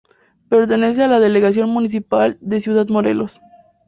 Pertenece a la delegación municipal de Ciudad Morelos.